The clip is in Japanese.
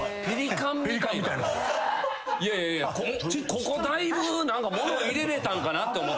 ここだいぶ物入れられたんかなと思ってまうから。